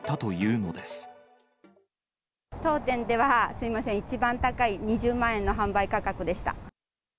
当店では、すみません、一番高い２０万円の販売価格でした。